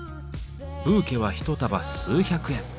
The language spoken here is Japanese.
ブーケは一束数百円。